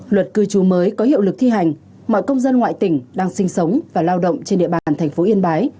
luật cư trú mới có hiệu lực thi hành mọi công dân ngoại tỉnh đang sinh sống và lao động trên địa bàn thành phố yên bái